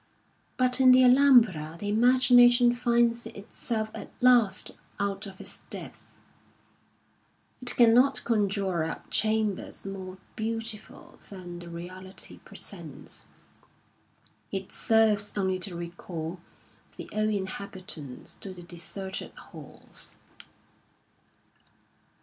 But in the Alhambra the imagination finds itself at last out of its depth, it caunot conjure up chambers more beautiful than the reality presents. It serves only to recall the old inhabitants to the deserted halls.